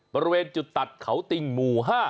บริเวณจุดตัดเขาติ่งหมู่๕